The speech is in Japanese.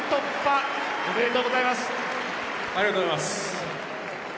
ありがとうございます。